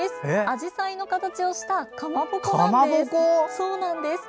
あじさいの形をしたかまぼこなんです。